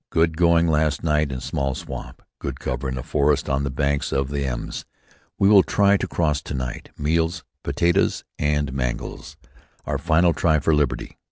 Good going last night in small swamp. Good cover in a forest on the banks of the Ems. We will try to cross to night. Meals: potatoes and mangels. Our final try for liberty.